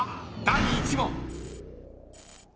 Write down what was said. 第１問］